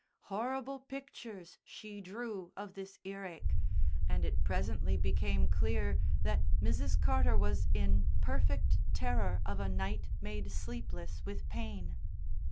Horrible pictures she drew of this earache, and it presently became clear that Mrs. Carter was in perfect terror of a night made sleepless with pain.